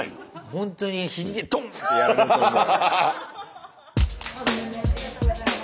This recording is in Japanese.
ほんとに肘で「ドン！」ってやられると思う。